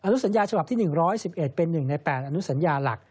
นุสัญญาฉบับที่๑๑๑เป็น๑ใน๘อนุสัญญาหลัก